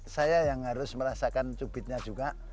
saya yang harus merasakan cubitnya juga